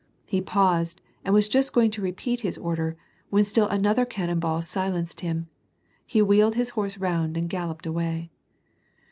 He paused, and was just going to repeat his order, when still another cannon ball silenced him. He wheeled his horse round and galloped away.